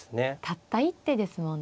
たった一手ですもんね